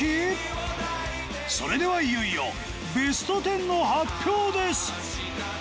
それではいよいよベスト１０の発表です。